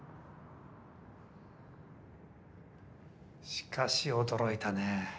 しかし驚いたね。